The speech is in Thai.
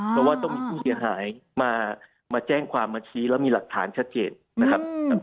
เพราะว่าต้องมีผู้เสียหายมาแจ้งความมาชี้แล้วมีหลักฐานชัดเจนนะครับ